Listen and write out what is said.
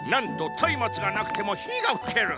タイマツがなくても火がふける！